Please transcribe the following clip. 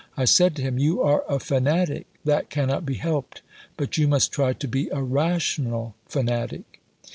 I said to him, 'You are a fanatic, that cannot be helped, but you must try to be a "rational fanatic."'"